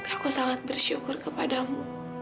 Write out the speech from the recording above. aku sangat bersyukur kepadamu